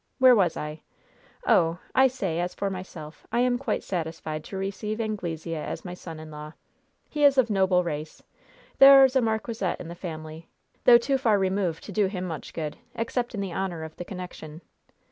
Where was I? Oh! I say, as for myself, I am quite satisfied to receive Anglesea as my son in law. He is of noble race there is a marquisate in the family, though too far removed to do him much good, except in the honor of the connection.